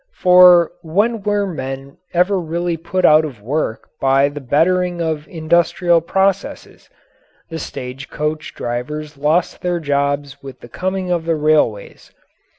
For when were men ever really put out of work by the bettering of industrial processes? The stage coach drivers lost their jobs with the coming of the railways.